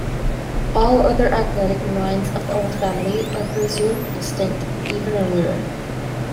All other agnatic lines of the old family are presumed extinct even earlier.